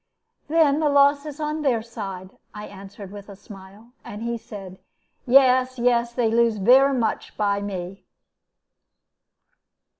"Then the loss is on their side," I answered, with a smile; and he said, "Yes, yes, they lose vere much by me."